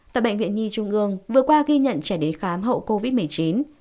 tại bệnh viện nhi trung ương vừa qua ghi nhận trẻ đến khám hậu covid một mươi chín